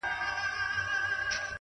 په ښکارپورۍ سترگو کي ـ راته گلاب راکه ـ